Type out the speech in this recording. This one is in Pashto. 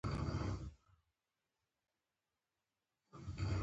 په خپلو خبر کي نرمي، زغم او تحمل کوئ!